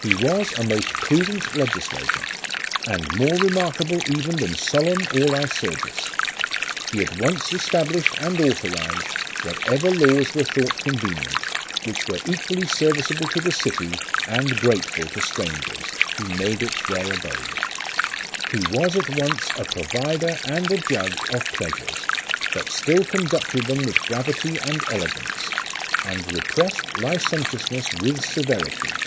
He was a most prudent legislator, And more remarkable even than Solon or Lycurgus. He at once established and authorized Whatever laws were thought convenient, Which were equally serviceable to the city, And grateful to strangers, Who made it their abode. 1 Tunbridge. LIFE OF RICHARD NASH. 113 He was at once a provider and a judge of pleasures, But still conducted them with gravity and elegance, And repressed licentiousness with severity.